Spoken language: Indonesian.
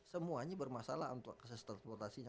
semuanya bermasalah untuk akses transportasinya